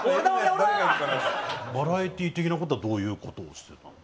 バラエティー的な事はどういう事をしてたの？